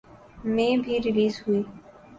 میں بھی ریلیز ہوئی